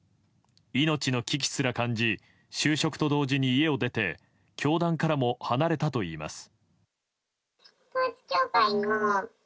命の危機すら感じ就職と同時に家を出て教団からも離れたといいます。